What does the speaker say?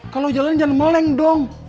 kalau jalanin jangan meleng dong